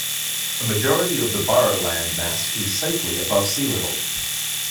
A majority of the borough land mass is safely above sea level.